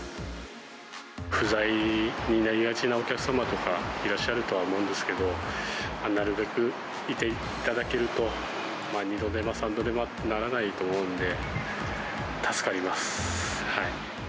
不在になりがちなお客様とかいらっしゃるとは思うんですけど、なるべくいていただけると、二度手間、三度手間にならないと思うんで、助かります。